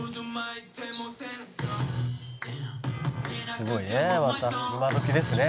「すごいねまた。今どきですね」